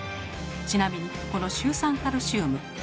ちなみにこのシュウ酸カルシウム。